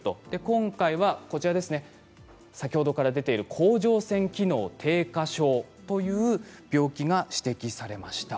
今回は先ほどから出ている甲状腺機能低下症という病気が指摘されました。